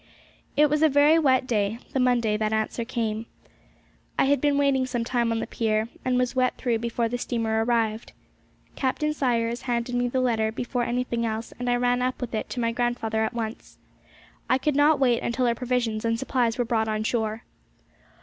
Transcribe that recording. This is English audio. It was a very wet day, the Monday that the answer came. I had been waiting some time on the pier, and was wet through before the steamer arrived. Captain Sayers handed me the letter before anything else, and I ran up with it to my grandfather at once. I could not wait until our provisions and supplies were brought on shore.